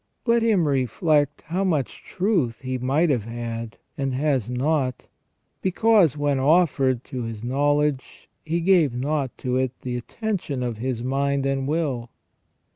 Let him reflect how much truth he might have had, and has not, because when offered to his knowledge he gave not to it the attention of his mind and will.